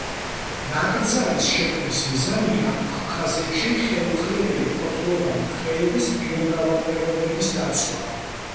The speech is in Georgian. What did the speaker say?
ნაკრძალის შექმნის მიზანია აფხაზეთში ხელუხლებელი ფოთლოვანი ტყეების ბიომრავალფეროვნების დაცვა.